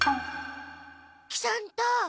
喜三太！